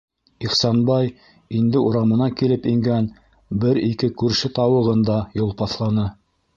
Ихсанбай инде урамына килеп ингән бер-ике күрше тауығын да йолпаҫланы.